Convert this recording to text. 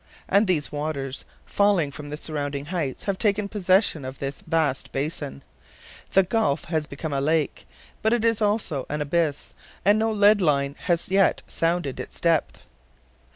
And these waters falling from the surrounding heights have taken possession of this vast basin. The gulf has become a lake, but it is also an abyss, and no lead line has yet sounded its depths.